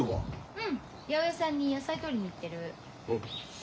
うん八百屋さんに野菜取りに行ってる。